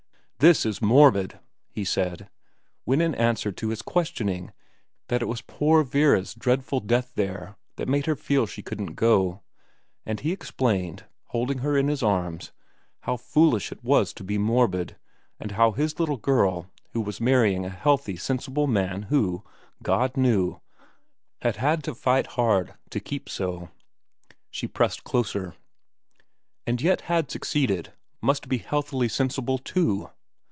' This is morbid,' he said, when in answer to his questioning she at last told him it was poor Vera's dreadful death there that made her feel she couldn't go ; and he explained, holding her in his arms, how 127 128 VERA in foolish it was to be morbid, and how his little girl, who was marrying a healthy, sensible man who, God knew, had had to fight hard enough to keep so she pressed closer and yet had succeeded, must be healthily sensible too.